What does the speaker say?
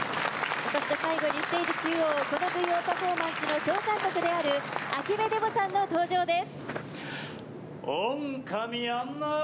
そして最後にステージ中央、この舞踊パフォーマンスの総監督である秋辺デボさんの登場です。